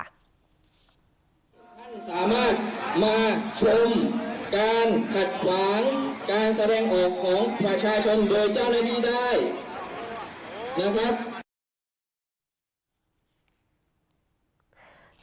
ท่านสามารถมาชมการขัดขวางการแสดงออกของประชาชนโดยเจ้าหน้าที่ได้นะครับ